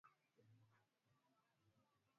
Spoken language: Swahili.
anavyoainisha vikwazo vinavyoweza kumkabili